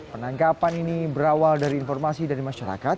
penangkapan ini berawal dari informasi dari masyarakat